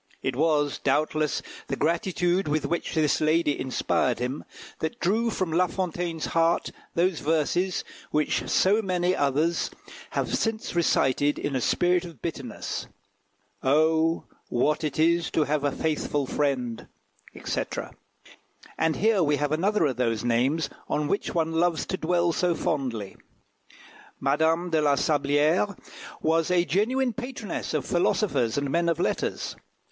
It was, doubtless, the gratitude with which this lady inspired him, that drew from La Fontaine's heart those verses, which so many others have since recited in a spirit of bitterness "Oh, what it is to have a faithful friend," &c. And here we have another of those names on which one loves to dwell so fondly. Madame de la Sablière was a genuine patroness of philosophers and men of letters.